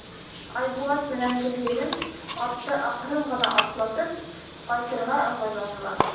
Айбулат менән Гөлйөҙөм, атты аҡрын ғына атлатып, ҡайтырға ыңғайланылар.